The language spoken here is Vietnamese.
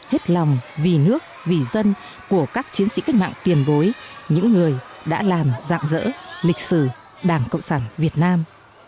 hết lòng vì nước vì dân của các chiến sĩ cách mạng tiền bối những người đã làm dạng dỡ lịch sử đảng cộng sản việt nam